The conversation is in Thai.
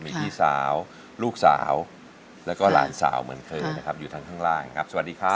มีพี่สาวลูกสาวแล้วก็หลานสาวเหมือนเคยนะครับอยู่ทางข้างล่างครับสวัสดีครับ